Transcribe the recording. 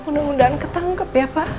mudah mudahan ketangkep ya pak